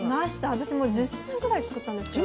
私も１０品ぐらい作ったんですけど。